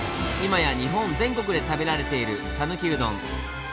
今や日本全国で食べられているさぬきうどん。